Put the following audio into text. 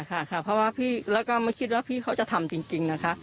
ค่ะค่ะเพราะว่าพี่แล้วก็ไม่คิดว่าพี่เขาจะทำจริงนะคะ